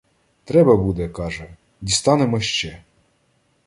Треба буде, каже, — дістанемо ще.